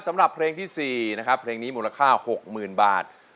สำหรับเพลงที่สี่นะครับเพลงนี้มูลค่าหกหมื่นบาท